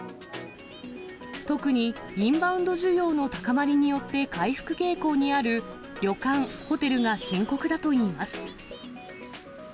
特にインバウンド需要の高まりによって回復傾向にある旅館・ホテルが深刻だといいます。